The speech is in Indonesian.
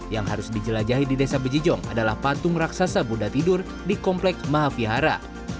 yang harus dijelajahi di desa bejijong adalah patung raksasa buddha tidur di komplek mahavihara